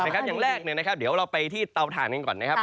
อย่างแรกเดี๋ยวเราไปที่เตาถ่านกันก่อนนะครับ